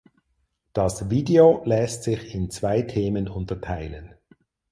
Das Video lässt sich in zwei Themen unterteilen.